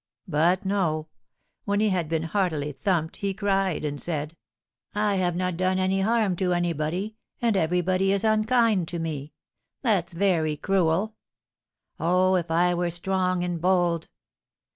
But no; when he had been heartily thumped, he cried, and said, 'I have not done any harm to anybody, and everybody is unkind to me, that's very cruel; oh, if I were strong and bold!'